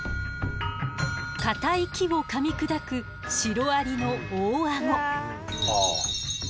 かたい木をかみ砕くシロアリの大アゴ。